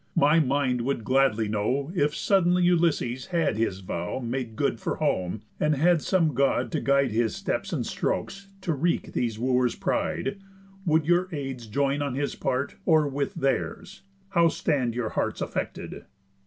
My mind would gladly know If suddenly Ulysses had his vow Made good for home, and had some God to guide His steps and strokes to wreak these Wooers' pride, Would your aids join on his part, or with theirs? How stand your hearts affected?"